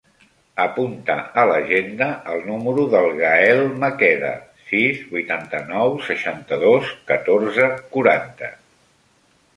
Apunta a l'agenda el número del Gaël Maqueda: sis, vuitanta-nou, seixanta-dos, catorze, quaranta.